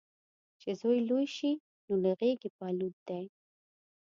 چې زوی لوی شي، نو له غیږې په الوت دی